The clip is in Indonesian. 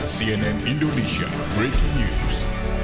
cnn indonesia breaking news